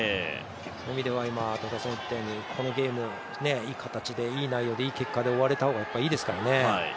そういう意味では、このゲームいい形で、いい内容で、いい結果で終われた方がいいですからね。